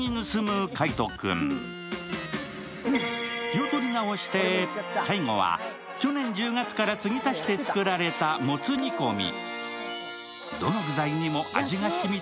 気を取り直して最後は去年１０月から継ぎ足して作られたもつ煮込み。